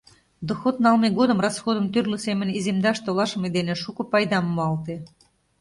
Доход налме годым расходым тӱрлӧ семын иземдаш толашыме дене шуко пайдам муалте.